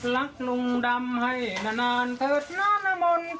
รักลุงดำให้นานเทิดนานน้ำมนต์